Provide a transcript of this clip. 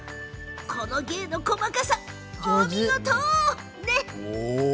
この芸の細かさお見事！